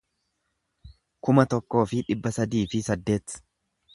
kuma tokkoo fi dhibba sadii fi saddeet